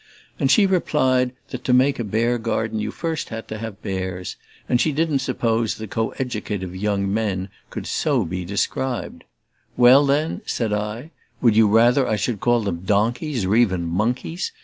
and she replied that to make a bear garden you first had to have bears, and she didn't suppose the co educative young men could be so described. "Well then," said I, "would you rather I should call them donkeys, or even monkeys?